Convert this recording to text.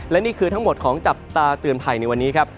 และนี่คือทั้งหมดของจับตาเตือนภัยในวันนี้ครับ